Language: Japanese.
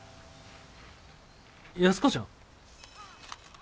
安子ちゃん？